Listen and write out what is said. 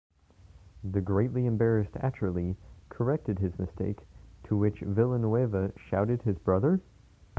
The greatly embarrassed Atcherly corrected his mistake, to which Villeneuve shouted His brother?